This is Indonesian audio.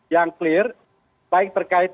yang clear baik terkait